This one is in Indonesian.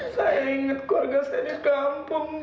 saya ingat keluarga saya di kampung